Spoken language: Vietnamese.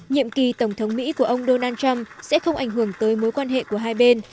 nhiệm kỳ tổng thống mỹ của ông donald trump sẽ không ảnh hưởng tới mối quan hệ của hai bên